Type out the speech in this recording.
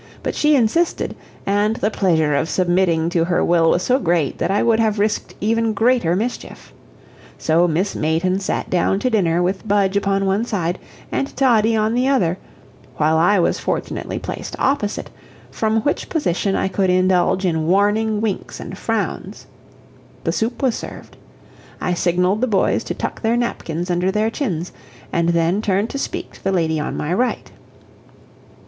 But she insisted, and the pleasure of submitting to her will was so great that I would have risked even greater mischief. So Miss Mayton sat down to dinner with Budge upon one side and Toddie on the other, while I was fortunately placed opposite, from which position I could indulge in warning winks and frowns. The soup was served. I signaled the boys to tuck their napkins under their chins, and then turned to speak to the lady on my right.